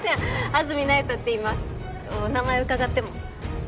安積那由他っていいますお名前伺っても？